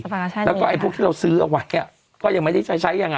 แล้วก็บางทีพวกที่เราซื้อเอาไว้ก็ยังไม่ได้ใช้ยังนะ